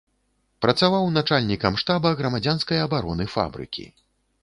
Працаваў начальнікам штаба грамадзянскай абароны фабрыкі.